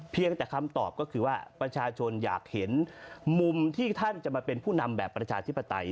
เพียงแต่คำตอบก็คือว่าประชาชนอยากเห็นมุมที่ท่านจะมาเป็นผู้นำแบบประชาธิปไตย